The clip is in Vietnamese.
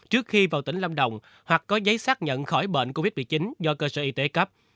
trước khi vào tỉnh lâm đồng hoặc có giấy xác nhận khỏi bệnh covid một mươi chín do cơ sở y tế cấp